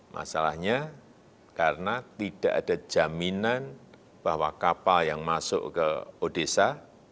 masalahnya karena tidak ada jaminan bahwa kapal yang masuk ke odesa